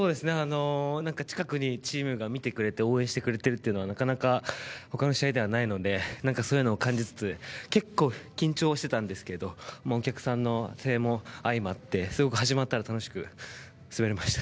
近くにチームが見てくれて応援してくれるのは他の試合ではないのでそういうのを感じつつ結構緊張してたんですけどお客さんの声援も相まってすごく始まったら楽しく滑れました。